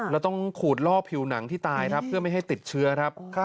แล้วต้องขูดล่อผิวหนังที่ตายครับเพื่อไม่ให้ติดเชื้อครับ